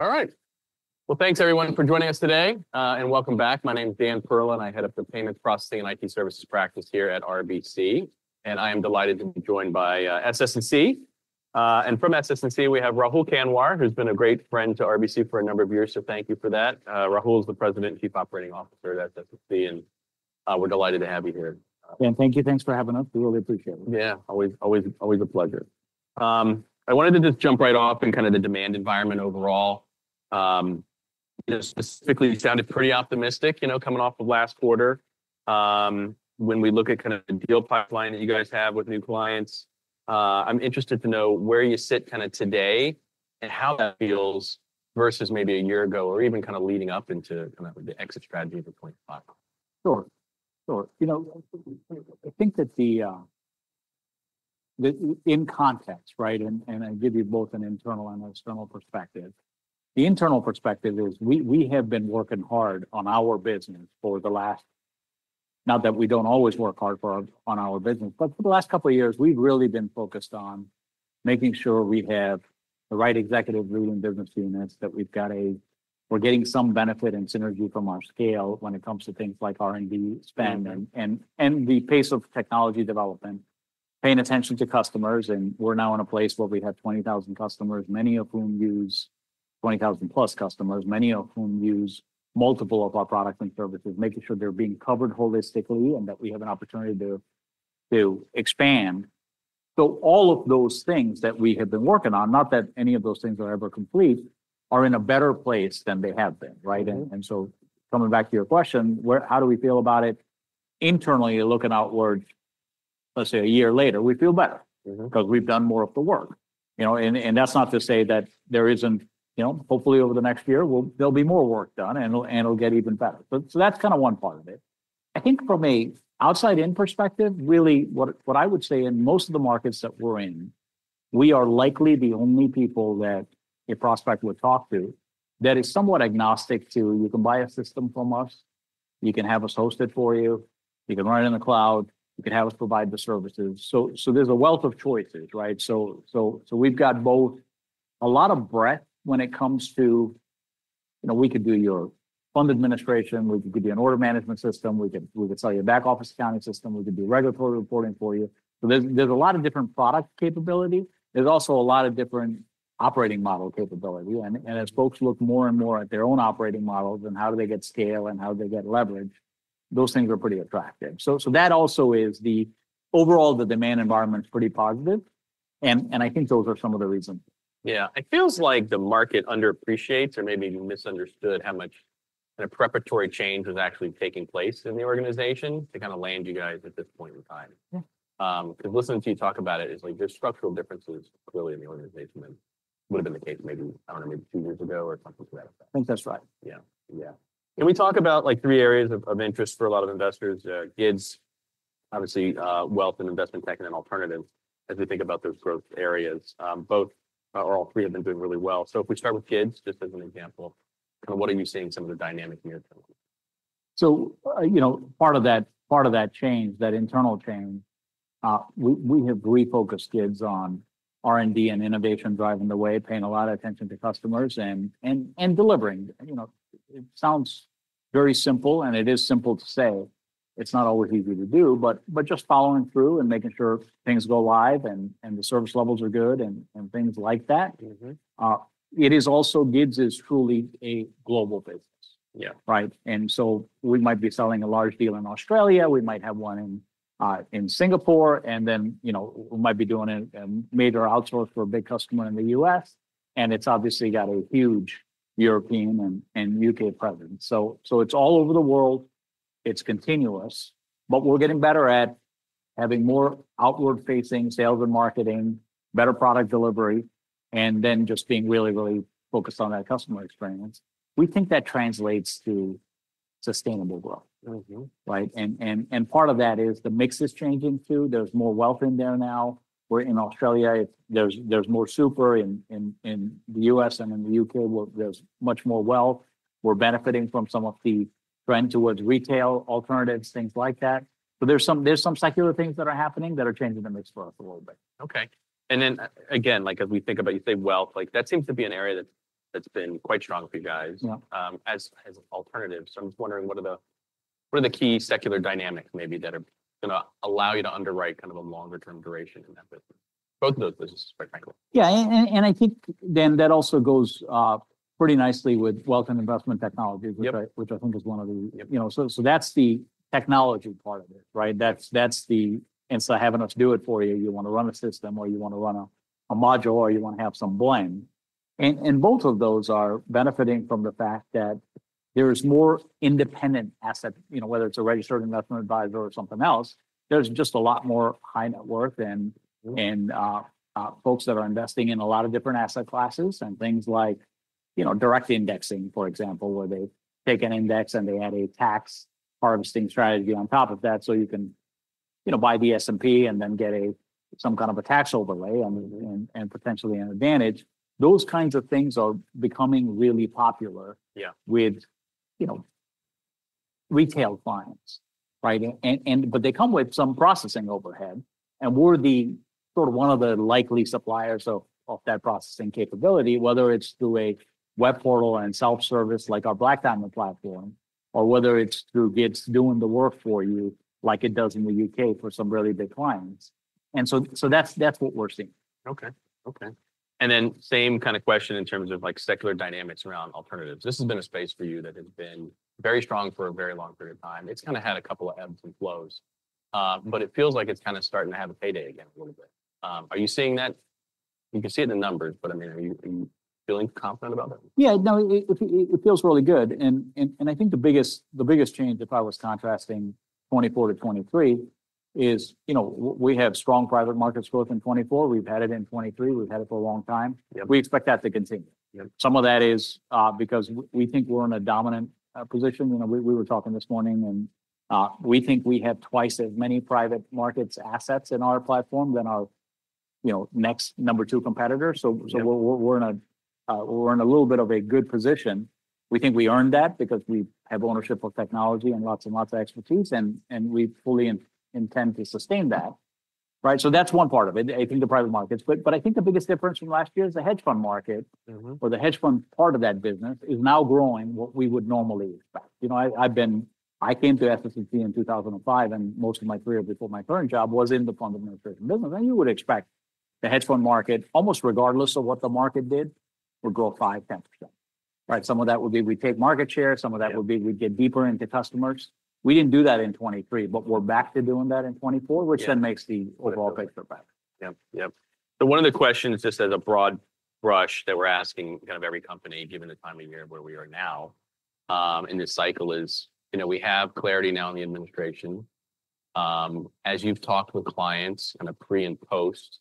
All right, well, thanks, everyone, for joining us today, and welcome back. My name is Dan Perlin. I head up the Payments Processing and IT Services Practice here at RBC, and I am delighted to be joined by SS&C, and from SS&C, we have Rahul Kanwar, who's been a great friend to RBC for a number of years, so thank you for that. Rahul is the President and Chief Operating Officer at SS&C, and we're delighted to have you here. Yeah, thank you. Thanks for having us. We really appreciate it. Yeah, always, always, always a pleasure. I wanted to just jump right off and kind of the demand environment overall. You know, specifically, it sounded pretty optimistic, you know, coming off of last quarter. When we look at kind of the deal pipeline that you guys have with new clients, I'm interested to know where you sit kind of today and how that feels versus maybe a year ago or even kind of leading up into kind of the exit strategy for 2025. Sure. Sure. You know, I think that, in context, right, and I give you both an internal and external perspective. The internal perspective is we have been working hard on our business for the last, not that we don't always work hard on our business, but for the last couple of years, we've really been focused on making sure we have the right executive leading business units, that we're getting some benefit and synergy from our scale when it comes to things like R&D spend and the pace of technology development, paying attention to customers. We're now in a place where we have 20,000 customers, many of whom use multiple of our products and services, making sure they're being covered holistically and that we have an opportunity to expand. So all of those things that we have been working on, not that any of those things are ever complete, are in a better place than they have been, right? And so coming back to your question, how do we feel about it internally looking outward, let's say a year later, we feel better because we've done more of the work, you know? And that's not to say that there isn't, you know, hopefully over the next year, there'll be more work done and it'll get even better. So that's kind of one part of it. I think from an outside-in perspective, really what I would say in most of the markets that we're in, we are likely the only people that a prospect would talk to that is somewhat agnostic to, you can buy a system from us, you can have us host it for you, you can run it in the cloud, you can have us provide the services. So there's a wealth of choices, right? So we've got both a lot of breadth when it comes to, you know, we could do your fund administration, we could give you an order management system, we could sell you a back office accounting system, we could do regulatory reporting for you. So there's a lot of different product capability. There's also a lot of different operating model capability. And as folks look more and more at their own operating models and how do they get scale and how do they get leverage, those things are pretty attractive. So that also is the overall, the demand environment is pretty positive. And I think those are some of the reasons. Yeah. It feels like the market underappreciates or maybe misunderstood how much kind of preparatory change is actually taking place in the organization to kind of land you guys at this point in time. Because listening to you talk about it is like there's structural differences clearly in the organization than would have been the case maybe, I don't know, maybe two years ago or something to that effect. I think that's right. Can we talk about like three areas of interest for a lot of investors? GIDS, obviously, wealth and investment tech and then alternatives as we think about those growth areas. Both or all three have been doing really well. So if we start with GIDS just as an example, kind of what are you seeing some of the dynamics near term? So, you know, part of that change, that internal change, we have refocused GIDS on R&D and innovation driving the way, paying a lot of attention to customers and delivering. You know, it sounds very simple and it is simple to say. It's not always easy to do, but just following through and making sure things go live and the service levels are good and things like that. It is also GIDS is truly a global business, right? And so we might be selling a large deal in Australia, we might have one in Singapore, and then, you know, we might be doing a major outsource for a big customer in the U.S., and it's obviously got a huge European and U.K. presence. So it's all over the world. It's continuous, but we're getting better at having more outward-facing sales and marketing, better product delivery, and then just being really, really focused on that customer experience. We think that translates to sustainable growth, right? And part of that is the mix is changing too. There's more wealth in there now. We're in Australia, there's more super in the U.S. and in the U.K., there's much more wealth. We're benefiting from some of the trend towards retail alternatives, things like that. So there's some secular things that are happening that are changing the mix for us a little bit. Okay. And then again, like as we think about, you say wealth, like that seems to be an area that's been quite strong for you guys as alternatives. So I'm just wondering what are the key secular dynamics maybe that are going to allow you to underwrite kind of a longer-term duration in that business? Both of those businesses, quite frankly. Yeah. And I think then that also goes pretty nicely with wealth and investment technology, which I think is one of the, you know, so that's the technology part of it, right? That's the, and so I have enough to do it for you. You want to run a system or you want to run a module or you want to have some blend. And both of those are benefiting from the fact that there is more independent asset, you know, whether it's a Registered Investment Advisor or something else, there's just a lot more high net worth and folks that are investing in a lot of different asset classes and things like, you know, direct indexing, for example, where they take an index and they add a tax harvesting strategy on top of that. So you can, you know, buy the S&P and then get some kind of a tax overlay and potentially an advantage. Those kinds of things are becoming really popular with, you know, retail clients, right? But they come with some processing overhead. And we're the sort of one of the likely suppliers of that processing capability, whether it's through a web portal and self-service like our Black Diamond platform, or whether it's through GIDS doing the work for you like it does in the UK for some really big clients. And so that's what we're seeing. Okay. Okay, and then same kind of question in terms of like secular dynamics around alternatives. This has been a space for you that has been very strong for a very long period of time. It's kind of had a couple of ebbs and flows, but it feels like it's kind of starting to have a payday again a little bit. Are you seeing that? You can see it in the numbers, but I mean, are you feeling confident about it? Yeah, no, it feels really good, and I think the biggest change, if I was contrasting 2024 to 2023, is, you know, we have strong private markets growth in 2024. We've had it in 2023. We've had it for a long time. We expect that to continue. Some of that is because we think we're in a dominant position. You know, we were talking this morning and we think we have twice as many private markets assets in our platform than our, you know, next number two competitor. So we're in a little bit of a good position. We think we earned that because we have ownership of technology and lots and lots of expertise, and we fully intend to sustain that, right, so that's one part of it. I think the private markets, but I think the biggest difference from last year is the hedge fund market, where the hedge fund part of that business is now growing what we would normally expect. You know, I came to SS&C in 2005, and most of my career before my current job was in the fundamental trading business. And you would expect the hedge fund market, almost regardless of what the market did, would grow 5% to 10%, right? Some of that would be we take market share. Some of that would be we get deeper into customers. We didn't do that in 2023, but we're back to doing that in 2024, which then makes the overall picture better. Yep. Yep. So one of the questions just as a broad brush that we're asking kind of every company given the time of year where we are now in this cycle is, you know, we have clarity now in the administration. As you've talked with clients kind of pre and post,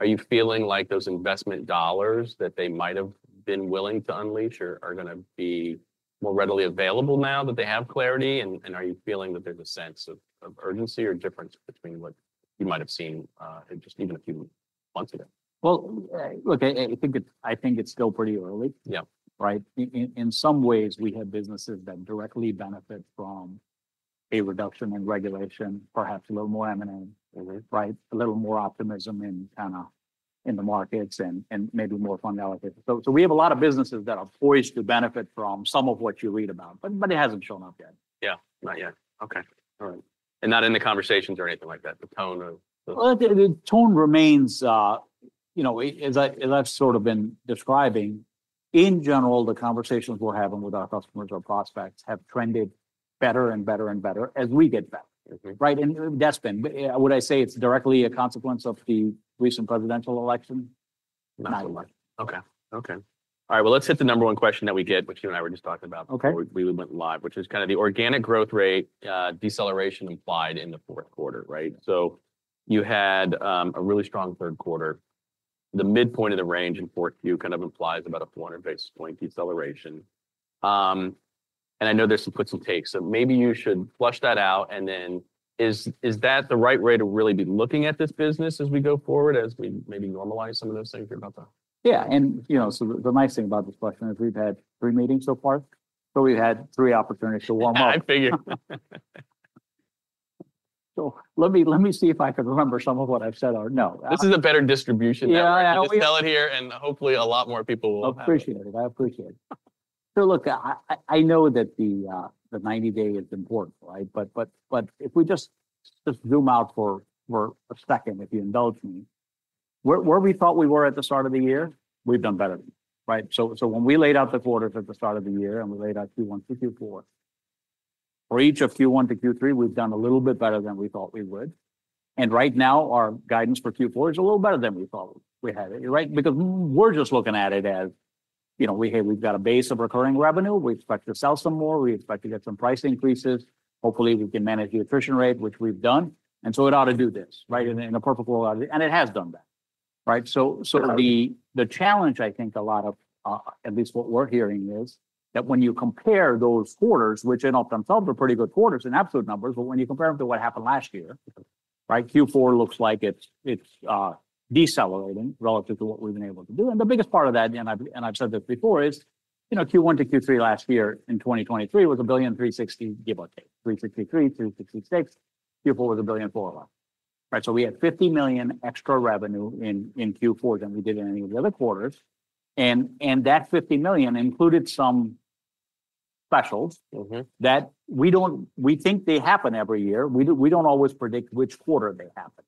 are you feeling like those investment dollars that they might have been willing to unleash are going to be more readily available now that they have clarity? And are you feeling that there's a sense of urgency or difference between what you might have seen just even a few months ago? Look, I think it's still pretty early, right? In some ways, we have businesses that directly benefit from a reduction in regulation, perhaps a little more M&A, right? A little more optimism in kind of the markets and maybe more fund allocation. So we have a lot of businesses that are poised to benefit from some of what you read about, but it hasn't shown up yet. Yeah. Not yet. Okay. All right. And not in the conversations or anything like that, the tone of. The tone remains, you know, as I've sort of been describing, in general, the conversations we're having with our customers, our prospects have trended better and better and better as we get better, right? That's been, would I say it's directly a consequence of the recent presidential election? Not yet. Okay. Okay. All right. Well, let's hit the number one question that we get, which you and I were just talking about before we went live, which is kind of the organic growth rate deceleration implied in the fourth quarter, right? So you had a really strong third quarter. The midpoint of the range in fourth Q kind of implies about a 400 basis point deceleration. And I know there's some gives and takes, so maybe you should flesh that out. And then is that the right way to really be looking at this business as we go forward, as we maybe normalize some of those things you're about to? Yeah, and you know, so the nice thing about this question is we've had three meetings so far, so we've had three opportunities to warm up. I figured. So let me see if I can remember some of what I've said or no. This is a better distribution now. We can sell it here and hopefully a lot more people will. I appreciate it. I appreciate it. So look, I know that the 90-day is important, right? But if we just zoom out for a second, if you indulge me, where we thought we were at the start of the year, we've done better, right? So when we laid out the quarters at the start of the year and we laid out Q1 to Q4, for each of Q1 to Q3, we've done a little bit better than we thought we would. And right now, our guidance for Q4 is a little better than we thought we had it, right? Because we're just looking at it as, you know, we've got a base of recurring revenue. We expect to sell some more. We expect to get some price increases. Hopefully, we can manage the attrition rate, which we've done. And so it ought to do this, right? In a perfect world, and it has done that, right? So the challenge, I think a lot of, at least what we're hearing is that when you compare those quarters, which in and of themselves are pretty good quarters in absolute numbers, but when you compare them to what happened last year, right? Q4 looks like it's decelerating relative to what we've been able to do. And the biggest part of that, and I've said this before, is, you know, Q1 to Q3 last year in 2023 was $1.360 billion give or take, 363, 366. Q4 was $1.411 billion, right? So we had $50 million extra revenue in Q4 than we did in any of the other quarters. And that $50 million included some specials that we don't think they happen every year. We don't always predict which quarter they happen,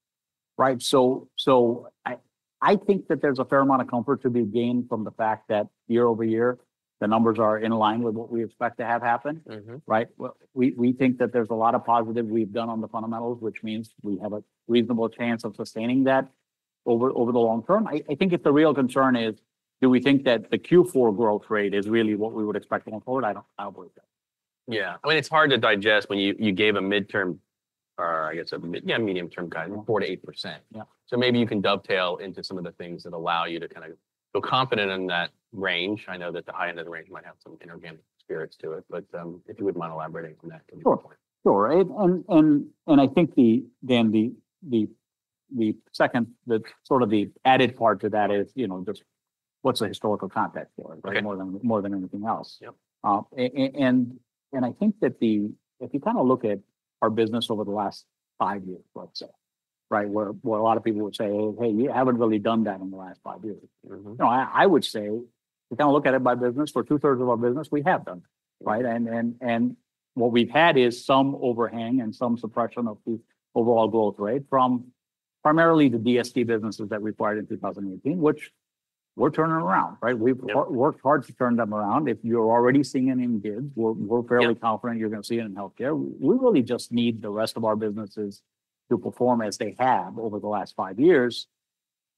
right? So I think that there's a fair amount of comfort to be gained from the fact that year over year, the numbers are in line with what we expect to have happen, right? We think that there's a lot of positive we've done on the fundamentals, which means we have a reasonable chance of sustaining that over the long term. I think the real concern is, do we think that the Q4 growth rate is really what we would expect going forward? I don't believe that. Yeah. I mean, it's hard to digest when you gave a midterm, or I guess a medium-term guide, 4% to 8%. So maybe you can dovetail into some of the things that allow you to kind of feel confident in that range. I know that the high end of the range might have some inorganic aspects to it, but if you wouldn't mind elaborating on that. Sure. Sure. And I think then the second, the sort of the added part to that is, you know, just what's the historical context for it, right? More than anything else. And I think that if you kind of look at our business over the last five years, let's say, right? Where a lot of people would say, "Hey, you haven't really done that in the last five years." You know, I would say we kind of look at it by business. For two-thirds of our business, we have done, right? And what we've had is some overhang and some suppression of the overall growth rate from primarily the DST businesses that we acquired in 2018, which we're turning around, right? We've worked hard to turn them around. If you're already seeing it in GIDS, we're fairly confident you're going to see it in healthcare. We really just need the rest of our businesses to perform as they have over the last five years,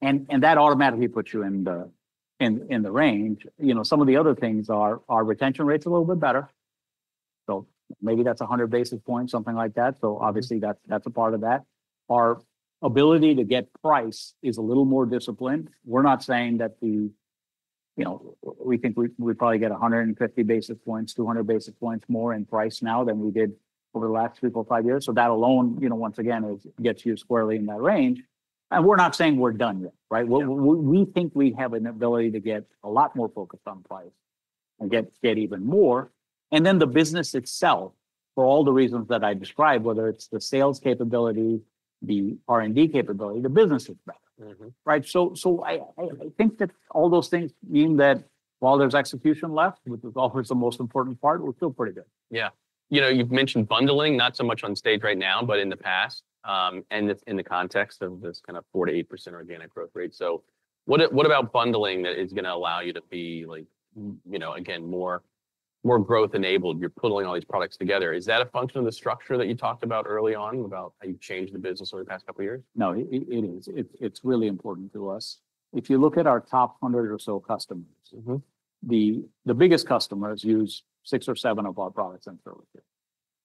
and that automatically puts you in the range. You know, some of the other things are our retention rates a little bit better, so maybe that's 100 basis points, something like that, so obviously that's a part of that. Our ability to get price is a little more disciplined. We're not saying that the, you know, we think we probably get 150 basis points, 200 basis points more in price now than we did over the last three to five years, so that alone, you know, once again, gets you squarely in that range, and we're not saying we're done yet, right? We think we have an ability to get a lot more focused on price and get even more. And then the business itself, for all the reasons that I described, whether it's the sales capability, the R&D capability, the business is better, right? So I think that all those things mean that while there's execution left, which is always the most important part, we're still pretty good. Yeah. You know, you've mentioned bundling, not so much on stage right now, but in the past and in the context of this kind of 4% to 8% organic growth rate. So what about bundling that is going to allow you to be, like, you know, again, more growth-enabled? You're pulling all these products together. Is that a function of the structure that you talked about early on about how you've changed the business over the past couple of years? No, it is. It's really important to us. If you look at our top 100 or so customers, the biggest customers use six or seven of our products and services.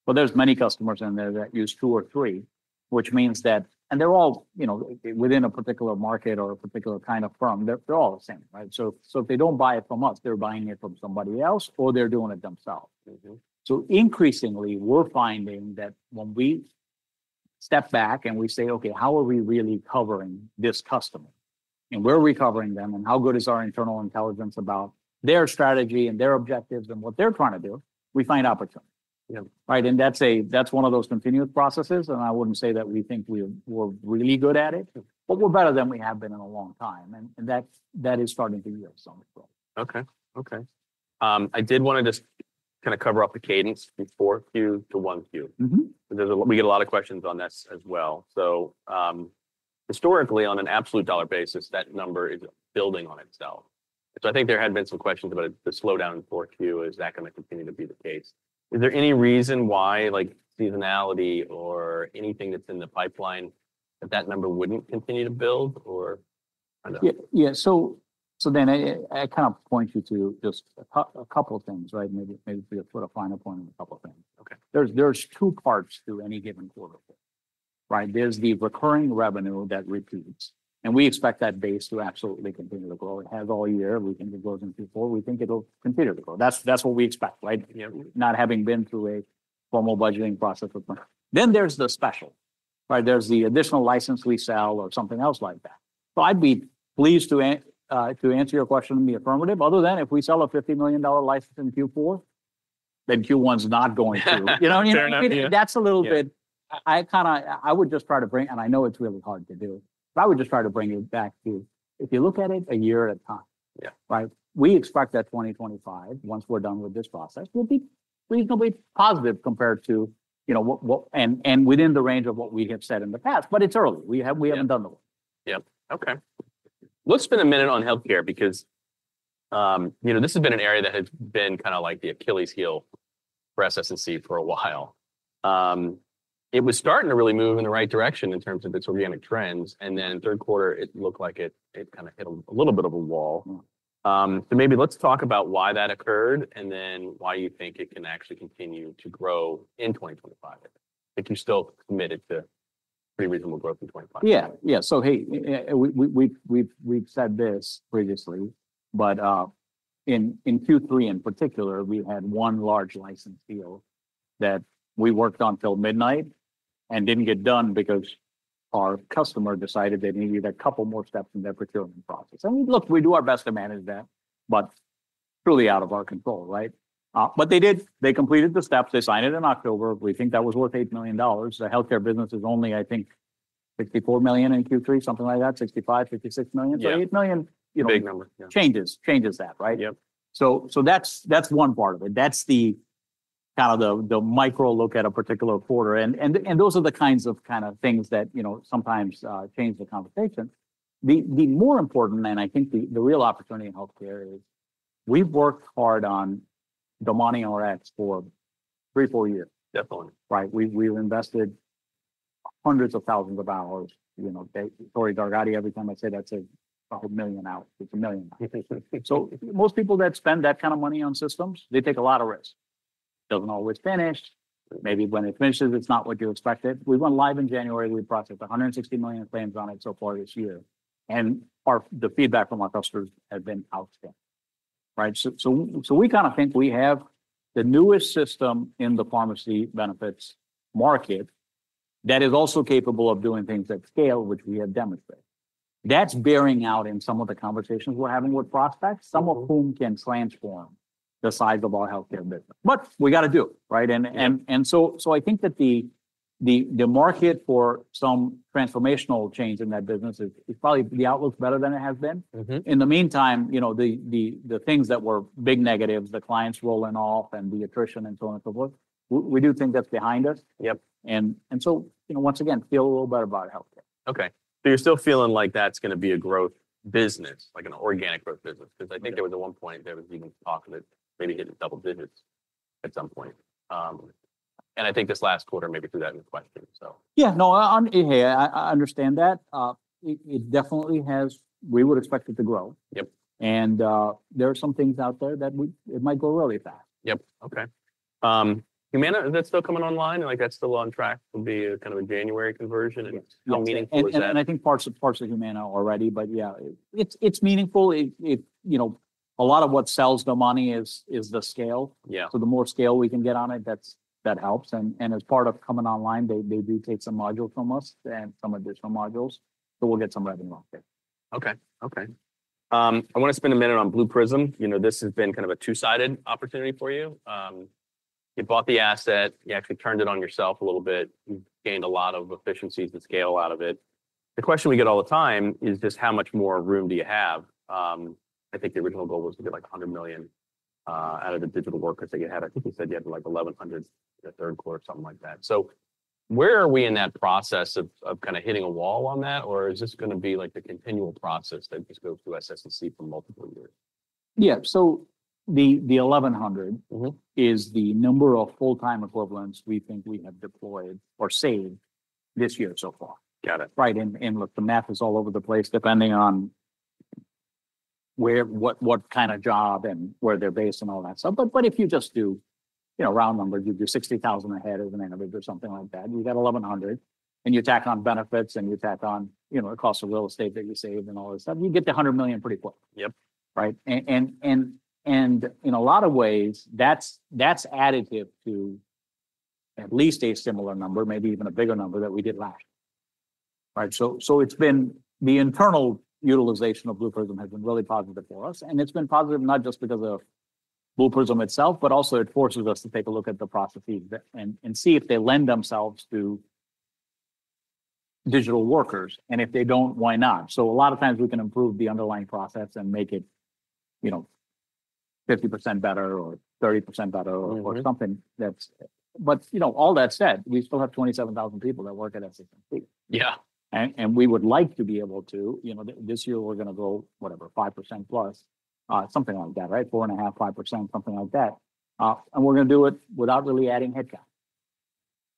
But there's many customers in there that use two or three, which means that, and they're all, you know, within a particular market or a particular kind of firm, they're all the same, right? So if they don't buy it from us, they're buying it from somebody else or they're doing it themselves. So increasingly, we're finding that when we step back and we say, "Okay, how are we really covering this customer? And where are we covering them? And how good is our internal intelligence about their strategy and their objectives and what they're trying to do?" We find opportunity, right? And that's one of those continuous processes. And I wouldn't say that we think we're really good at it, but we're better than we have been in a long time. And that is starting to yield some growth. Okay. Okay. I did want to just kind of cover up the cadence before Q to 1Q. We get a lot of questions on this as well. So historically, on an absolute dollar basis, that number is building on itself. So I think there had been some questions about the slowdown in 4Q. Is that going to continue to be the case? Is there any reason why, like seasonality or anything that's in the pipeline, that that number wouldn't continue to build or? Yeah. So then I kind of point you to just a couple of things, right? Maybe put a final point on a couple of things. There's two parts to any given quarter, right? There's the recurring revenue that repeats. And we expect that base to absolutely continue to grow. It has all year. We think it grows in Q4. We think it'll continue to grow. That's what we expect, right? Not having been through a formal budgeting process. Then there's the special, right? There's the additional license we sell or something else like that. So I'd be pleased to answer your question and be affirmative. Other than if we sell a $50 million license in Q4, then Q1's not going through. You know what I mean? would just try to bring it back to, if you look at it a year at a time, right? And I know it's really hard to do, but I would just try to bring it back to, if you look at it a year at a time, right? We expect that 2025, once we're done with this process, will be reasonably positive compared to, you know, and within the range of what we have said in the past, but it's early. We haven't done that yet. Yep. Okay. Let's spend a minute on healthcare because, you know, this has been an area that has been kind of like the Achilles heel for SS&C for a while. It was starting to really move in the right direction in terms of its organic trends. And then in third quarter, it looked like it kind of hit a little bit of a wall. So maybe let's talk about why that occurred and then why you think it can actually continue to grow in 2025. If you're still committed to pretty reasonable growth in 2025. Yeah. Yeah. So hey, we've said this previously, but in Q3 in particular, we had one large license deal that we worked on till midnight and didn't get done because our customer decided they needed a couple more steps in their procurement process. And we looked, we do our best to manage that, but truly out of our control, right? But they did. They completed the steps. They signed it in October. We think that was worth $8 million. The healthcare business is only, I think, $64 million in Q3, something like that, $65, $56 million. So 8 million, you know, changes that, right? So that's one part of it. That's the kind of the micro look at a particular quarter. And those are the kinds of kind of things that, you know, sometimes change the conversation. The more important and I think the real opportunity in healthcare is we've worked hard on DomaniRx for three, four years, right? We've invested hundreds of thousands of hours. You know, Tori Dargati, every time I say that, says a million hours. It's a million hours. So most people that spend that kind of money on systems, they take a lot of risk. Doesn't always finish. Maybe when it finishes, it's not what you expected. We went live in January. We processed 160 million claims on it so far this year. And the feedback from our customers has been outstanding, right? So we kind of think we have the newest system in the pharmacy benefits market that is also capable of doing things at scale, which we have demonstrated. That's bearing out in some of the conversations we're having with prospects, some of whom can transform the size of our healthcare business. But we got to do it, right? And so I think that the market for some transformational change in that business is probably the outlook's better than it has been. In the meantime, you know, the things that were big negatives, the clients rolling off and the attrition and so on and so forth, we do think that's behind us. And so, you know, once again, feel a little better about healthcare. Okay, so you're still feeling like that's going to be a growth business, like an organic growth business? Because I think there was at one point even talk of it maybe hitting double digits at some point, and I think this last quarter maybe threw that in the question, so. Yeah. No, I understand that. It definitely has. We would expect it to grow, and there are some things out there that it might go really fast. Yep. Okay. Humana, is that still coming online? Like that's still on track to be kind of a January conversion? And how meaningful is that? I think parts of Humana already, but yeah, it's meaningful. You know, a lot of what sells the money is the scale. The more scale we can get on it, that helps. As part of coming online, they do take some modules from us and some additional modules. We'll get some revenue off there. Okay. Okay. I want to spend a minute on Blue Prism. You know, this has been kind of a two-sided opportunity for you. You bought the asset. You actually turned it on yourself a little bit. You've gained a lot of efficiencies and scale out of it. The question we get all the time is just how much more room do you have? I think the original goal was to get like $100 million out of the digital workers that you had. I think you said you had like 1,100 in the third quarter, something like that. So where are we in that process of kind of hitting a wall on that? Or is this going to be like the continual process that just goes through SS&C for multiple years? Yeah. So the 1,100 is the number of full-time equivalents we think we have deployed or saved this year so far. Got it. Right and look, the math is all over the place depending on what kind of job and where they're based and all that stuff, but if you just do, you know, round numbers, you do $60,000 a head as an average or something like that, you got 1,100, and you tack on benefits and you tack on, you know, the cost of real estate that you save and all this stuff, you get to $100 million pretty quick, right, and in a lot of ways, that's additive to at least a similar number, maybe even a bigger number that we did last year. Right, so it's been the internal utilization of Blue Prism has been really positive for us, and it's been positive not just because of Blue Prism itself, but also it forces us to take a look at the processes and see if they lend themselves to digital workers. And if they don't, why not? So a lot of times we can improve the underlying process and make it, you know, 50% better or 30% better or something that's, but you know, all that said, we still have 27,000 people that work at SS&C. Yeah. And we would like to be able to, you know, this year we're going to go whatever, 5% plus, something like that, right? 4.5% to 5%, something like that. And we're going to do it without really adding headcount.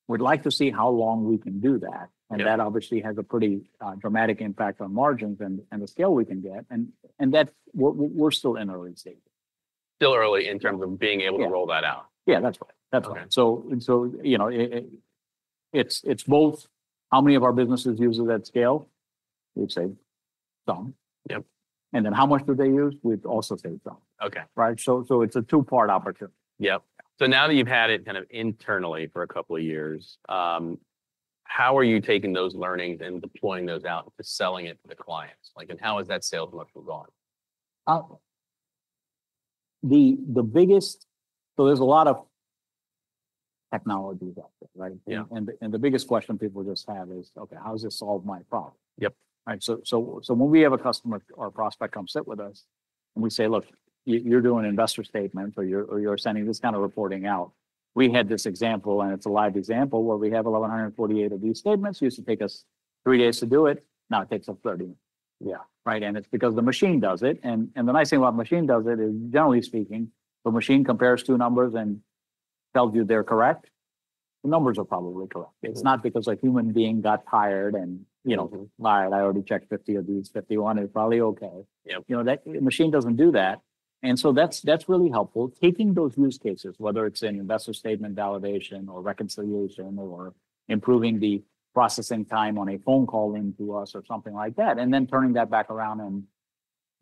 We'd like to see how long we can do that. And that obviously has a pretty dramatic impact on margins and the scale we can get. And that's. We're still in early stages. Still early in terms of being able to roll that out. Yeah, that's right. That's right. So you know, it's both how many of our businesses use it at scale? We've saved some. Yep. And then how much do they use? We've also saved some, right? So it's a two-part opportunity. Yep. So now that you've had it kind of internally for a couple of years, how are you taking those learnings and deploying those out to selling it to the clients? Like, and how has that sales pitch gone? The biggest, so there's a lot of technologies out there, right? And the biggest question people just have is, okay, how does this solve my problem? Yep. Right. So when we have a customer or a prospect come sit with us and we say, look, you're doing an investor statement or you're sending this kind of reporting out, we had this example and it's a live example where we have 1,148 of these statements. It used to take us three days to do it. Now it takes us 30. Yeah. Right. And it's because the machine does it. And the nice thing about machine does it is generally speaking, the machine compares two numbers and tells you they're correct. The numbers are probably correct. It's not because a human being got tired and, you know, all right, I already checked 50 of these, 51 is probably okay. You know, that machine doesn't do that. And so that's really helpful. Taking those use cases, whether it's an investor statement validation or reconciliation or improving the processing time on a phone call into us or something like that, and then turning that back around and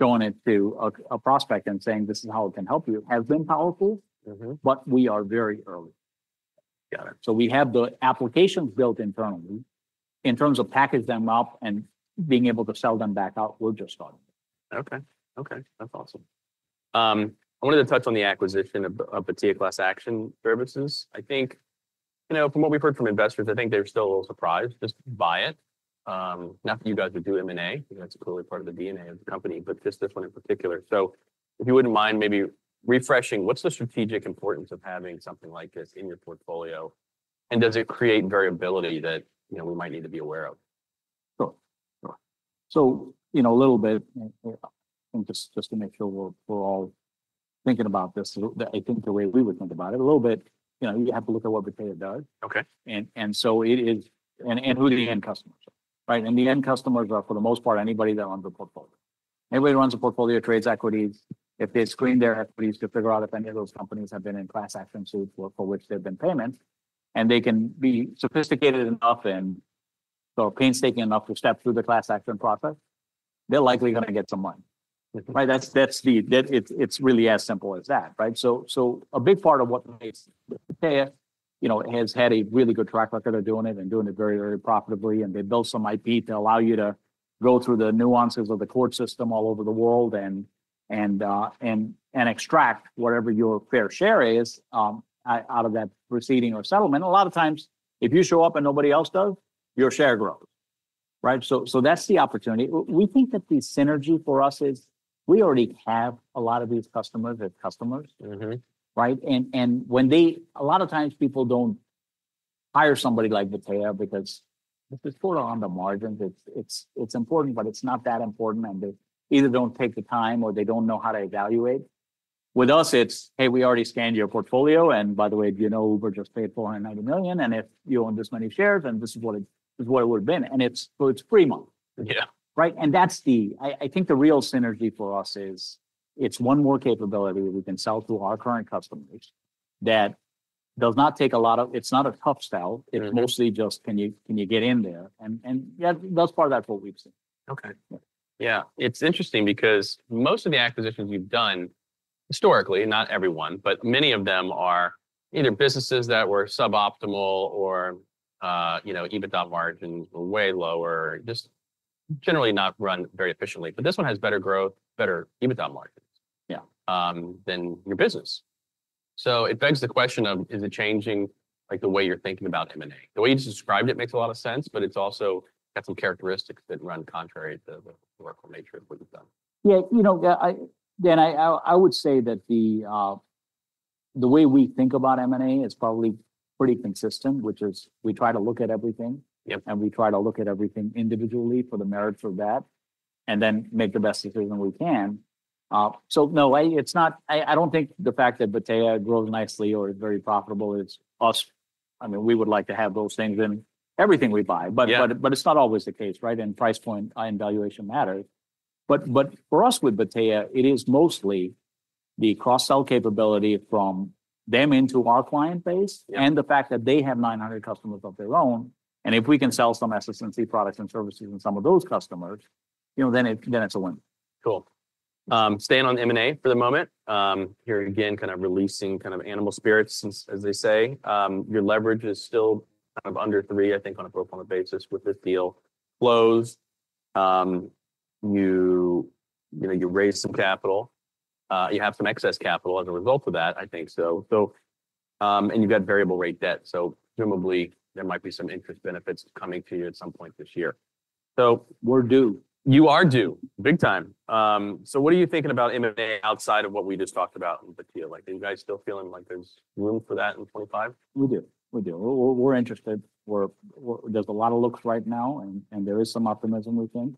showing it to a prospect and saying, this is how it can help you, has been powerful, but we are very early. Got it. So we have the applications built internally. In terms of package them up and being able to sell them back out, we're just starting. Okay. Okay. That's awesome. I wanted to touch on the acquisition of Battea Class Action Services. I think, you know, from what we've heard from investors, I think they're still a little surprised, just buy it. Not that you guys would do M&A, that's clearly part of the DNA of the company, but just this one in particular. So if you wouldn't mind maybe refreshing, what's the strategic importance of having something like this in your portfolio? And does it create variability that, you know, we might need to be aware of? Sure. Sure. So, you know, a little bit, and just to make sure we're all thinking about this, I think the way we would think about it, a little bit, you know, you have to look at what Battea does. Okay. And so it is, and who are the end customers, right? And the end customers are for the most part anybody that runs a portfolio. Anybody who runs a portfolio trades equities. If they screen their equities to figure out if any of those companies have been in class action suits for which there've been payments, and they can be sophisticated enough and so painstaking enough to step through the class action process, they're likely going to get some money, right? That's the, it's really as simple as that, right? So a big part of what makes Battea, you know, has had a really good track record of doing it and doing it very, very profitably. And they built some IP to allow you to go through the nuances of the court system all over the world and extract whatever your fair share is out of that proceeding or settlement. A lot of times if you show up and nobody else does, your share grows, right? So that's the opportunity. We think that the synergy for us is we already have a lot of these customers as customers, right? And when they, a lot of times people don't hire somebody like Battea because this is sort of on the margins. It's important, but it's not that important. And they either don't take the time or they don't know how to evaluate. With us, it's, hey, we already scanned your portfolio. And by the way, do you know Uber just paid $490 million? And if you own this many shares, and this is what it would have been. And it's free money, right? And that's, I think, the real synergy for us is it's one more capability that we can sell to our current customers that does not take a lot of. It's not a tough sell. It's mostly just, can you get in there? And that's part of that. That's what we've seen. Okay. Yeah. It's interesting because most of the acquisitions you've done historically, not everyone, but many of them are either businesses that were suboptimal or, you know, EBITDA margins were way lower, just generally not run very efficiently. But this one has better growth, better EBITDA margins than your business. So it begs the question of, is it changing like the way you're thinking about M&A? The way you just described it makes a lot of sense, but it's also got some characteristics that run contrary to the workflow nature of what you've done. Yeah. You know, Dan, I would say that the way we think about M&A is probably pretty consistent, which is we try to look at everything and we try to look at everything individually for the merits of that and then make the best decision we can. So no, it's not. I don't think the fact that Battea grows nicely or is very profitable is us. I mean, we would like to have those things in everything we buy, but it's not always the case, right? Price point and valuation matters, but for us with Battea, it is mostly the cross-sell capability from them into our client base and the fact that they have 900 customers of their own, and if we can sell some SS&C products and services and some of those customers, you know, then it's a win. Cool. Staying on M&A for the moment, you're again kind of releasing kind of animal spirits, as they say. Your leverage is still kind of under three, I think, on a pro forma basis with this deal closed. You, you know, you raised some capital. You have some excess capital as a result of that, I think so. And you've got variable rate debt. So presumably there might be some interest benefits coming to you at some point this year. So we're due. You are due. Big time. So what are you thinking about M&A outside of what we just talked about in Battea? Like, are you guys still feeling like there's room for that in 2025? We do. We do. We're interested. There's a lot of looks right now and there is some optimism, we think.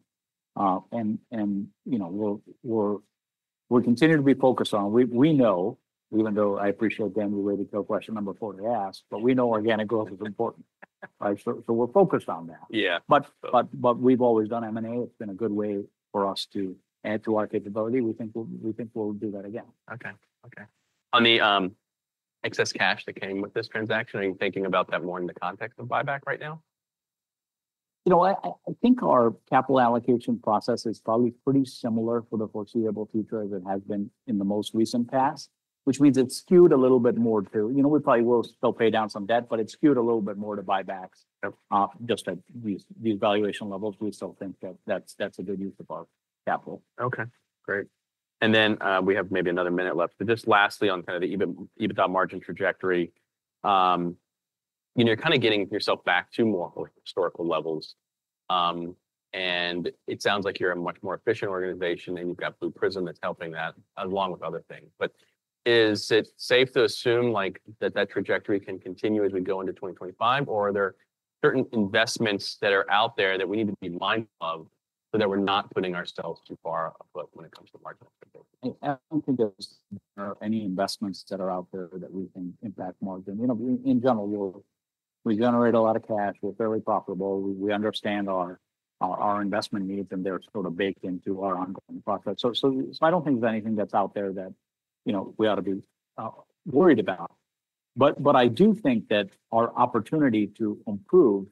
And, you know, we're continuing to be focused on. We know, even though I appreciate Dan, we were able to tell question number 40 asked, but we know organic growth is important, right? So we're focused on that. Yeah. But we've always done M&A. It's been a good way for us to add to our capability. We think we'll do that again. Okay. On the excess cash that came with this transaction, are you thinking about that more in the context of buyback right now? You know, I think our capital allocation process is probably pretty similar for the foreseeable future as it has been in the most recent past, which means it's skewed a little bit more to, you know, we probably will still pay down some debt, but it's skewed a little bit more to buybacks just at these valuation levels. We still think that that's a good use of our capital. Okay. Great. And then we have maybe another minute left. But just lastly on kind of the EBITDA margin trajectory, you know, you're kind of getting yourself back to more historical levels. And it sounds like you're a much more efficient organization and you've got Blue Prism that's helping that along with other things. But is it safe to assume like that trajectory can continue as we go into 2025? Or are there certain investments that are out there that we need to be mindful of so that we're not putting ourselves too far afoul when it comes to margin? I don't think there's any investments that are out there that we can impact margin. You know, in general, we generate a lot of cash. We're fairly profitable. We understand our investment needs and they're sort of baked into our ongoing process. So I don't think there's anything that's out there that, you know, we ought to be worried about. But I do think that our opportunity to improve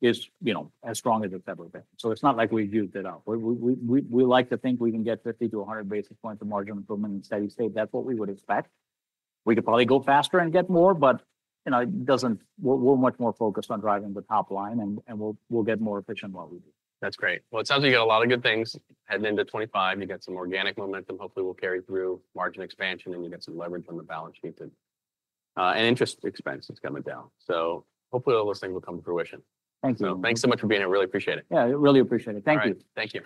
is, you know, as strong as it's ever been. So it's not like we've used it up. We like to think we can get 50-100 basis points of margin improvement in steady state. That's what we would expect. We could probably go faster and get more, but, you know, we're much more focused on driving the top line and we'll get more efficient while we do. That's great. Well, it sounds like you got a lot of good things heading into 2025. You got some organic momentum. Hopefully we'll carry through margin expansion and you get some leverage on the balance sheet and interest expenses coming down. So hopefully all those things will come to fruition. Thank you. Thanks so much for being here. Really appreciate it. Yeah, really appreciate it. Thank you. Thank you.